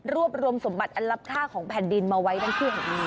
รวมสมบัติอันลับค่าของแผ่นดินมาไว้ทั้งที่แห่งนี้